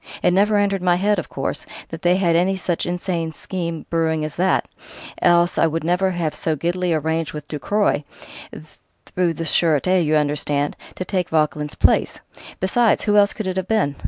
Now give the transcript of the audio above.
It never entered my head, of course, that they had any such insane scheme brewing as that else I would never have so giddily arranged with Ducroy through the Sûreté, you understand to take Vauquelin's place.... Besides, who else could it have been?